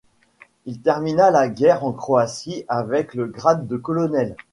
Il termina la guerre en Croatie avec le grade de colonel.